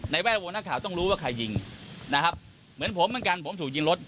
แวดวงนักข่าวต้องรู้ว่าใครยิงนะครับเหมือนผมเหมือนกันผมถูกยิงรถ